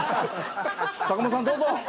坂本さんどうぞ。